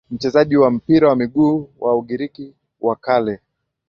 Mchezaji wa mpira wa miguu wa Ugiriki wa Kale